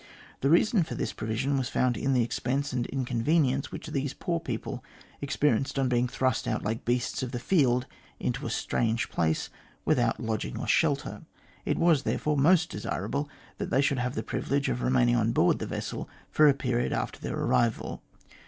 The reason for this provision was to be found in the expense and inconvenience which these poor people experienced on being thrust out like the beasts of the field into a strange place, without lodging or shelter. It was, therefore, most desirable that they should have the privilege of remaining on board the vessel for a period after their arrival.